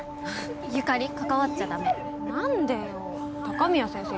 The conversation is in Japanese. ゆかり関わっちゃダメ何でよ鷹宮先生